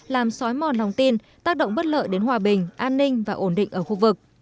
làm xói mòn lòng tin tác động bất lợi đến hòa bình an ninh và ổn định ở khu vực